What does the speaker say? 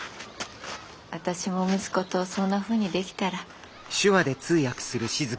私も息子とそんなふうにできたら。